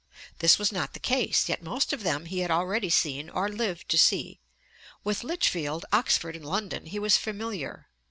This was not the case, yet most of them he had already seen or lived to see. With Lichfield, Oxford, and London he was familiar.